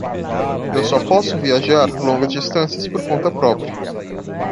Eu só posso viajar longas distâncias por conta própria